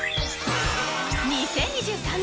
２０２３年